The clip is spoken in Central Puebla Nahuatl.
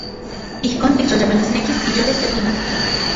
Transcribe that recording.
Ijkon tikyolyamanisnekis iyolo se pinotl.